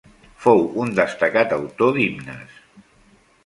Fou un destacat autor d'himnes.